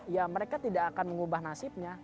ya mereka tidak akan mengubah nasibnya